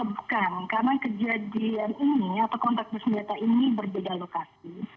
bukan karena kejadian ini atau kontak bersenjata ini berbeda lokasi